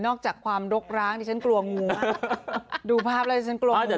นอกจากความดกร้างดิฉันกลัวงูมากดูภาพเลยฉันกลัวงูมาก